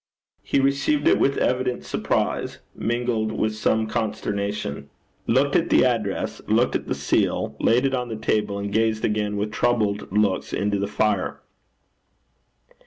He received it with evident surprise, mingled with some consternation, looked at the address, looked at the seal, laid it on the table, and gazed again with troubled looks into the fire.